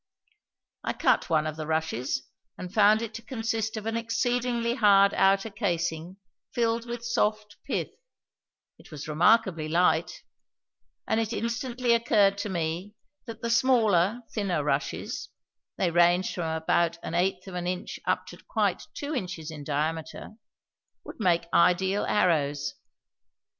I cut one of the rushes and found it to consist of an exceedingly hard outer casing filled with soft pith; it was remarkably light; and it instantly occurred to me that the smaller, thinner rushes they ranged from about an eighth of an inch up to quite two inches in diameter would make ideal arrows.